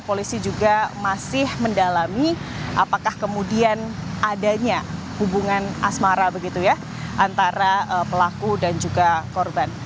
polisi juga masih mendalami apakah kemudian adanya hubungan asmara begitu ya antara pelaku dan juga korban